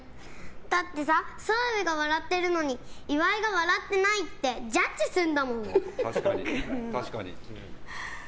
だってさ、澤部が笑ってるのに岩井が笑ってないってジャッジするんだもん。